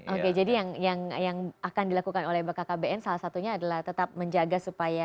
oke jadi yang akan dilakukan oleh bkkbn salah satunya adalah tetap menjaga supaya